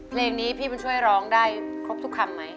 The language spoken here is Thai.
เพลงนี้พี่บุญช่วยร้องได้ครบทุกคำไหม